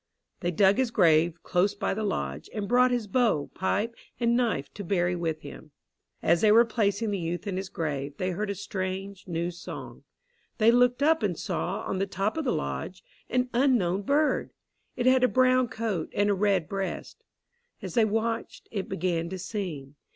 They dug his grave close by the lodge, and brought his bow, pipe, and knife to bury with him. As they were placing the youth in his grave, they heard a strange, new song. They looked up and saw, on the top of the lodge, an unknown bird. It had a brown coat and a red breast. As they watched, it began to sing.